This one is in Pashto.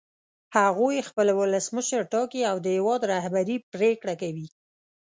هغوی خپل ولسمشر ټاکي او د هېواد رهبري پرېکړه کوي.